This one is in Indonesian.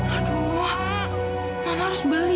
aduh mama harus beli